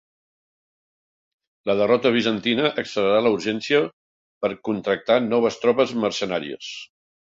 La derrota bizantina accelerà la urgència per contractar noves tropes mercenàries.